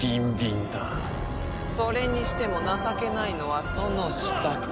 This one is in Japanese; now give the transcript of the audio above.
それにしても情けないのはソノシたち。